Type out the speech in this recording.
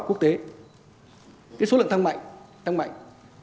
bài báo khoa học quốc tế cái số lượng tăng mạnh tăng mạnh